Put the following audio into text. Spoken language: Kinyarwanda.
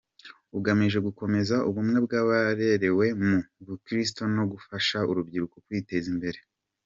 Ugamije gukomeza ubumwe bw’abarerewe mu buskuti no gufasha urubyiruko kwiteza imbere.